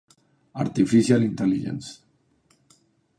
Artificial Intelligence".